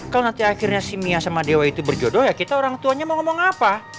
kalau nanti akhirnya simia sama dewa itu berjodoh ya kita orang tuanya mau ngomong apa